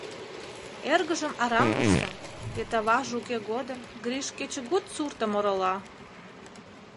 Эргыжым арам вурса, вет аваже уке годым Гриш кечыгут суртым орола.